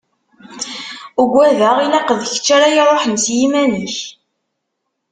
Ugadeɣ ilaq d kečč ara iruḥen s yiman-ik.